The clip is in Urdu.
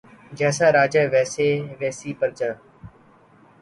جیسا راجا ویسی پرجا